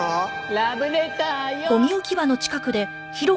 ラブレターよ！